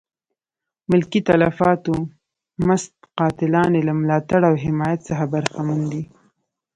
ملکي تلفاتو مست قاتلان یې له ملاتړ او حمایت څخه برخمن دي.